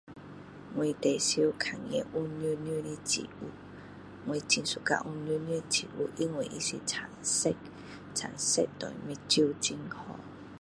我最多看的有叶叶的树，我很喜欢有叶叶的树因为它是青色，青色对眼睛很好